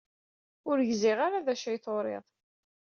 Ur gziɣ ara d acu ay d-turid.